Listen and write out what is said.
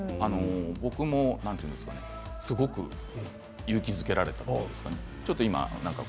僕もすごく勇気づけられたというんですかね。